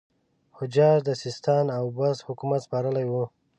حجاج د سیستان او بست حکومت سپارلی وو.